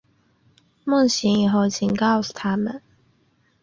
梦醒以后请告诉他们